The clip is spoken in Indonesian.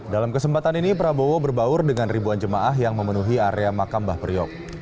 dalam kesempatan ini prabowo berbaur dengan ribuan jemaah yang memenuhi area makam mbah priok